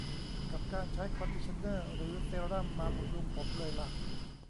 กับการใช้คอนดิชั่นเนอร์หรือเซรั่มมาบำรุงผมเลยล่ะ